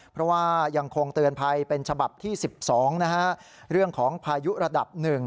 เพราะว่ายังคงเตือนภัยเป็นฉบับที่๑๒เรื่องของพายุระดับ๑